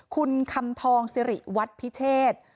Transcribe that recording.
คุณคำทองศิริวัฒน์พิเศษ